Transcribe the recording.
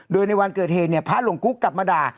โดยในวันเกิดเหตุพระหลงกุ๊กกลับมาด่า